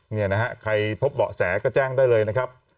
เนี่ยนะฮะใครพบเบาะแสก็แจ้งได้เลยนะครับ